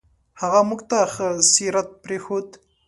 هغه موږ ته ښه سیرت پرېښود.